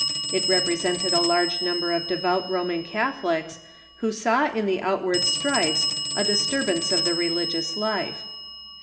It represented a large number or de Cathoiic Church yqj,^ ]>oman Catholics Avho saw in the outward strifes a disturbance of the religious life.